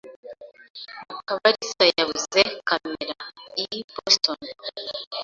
Mukabarisa yabuze kamera i Boston.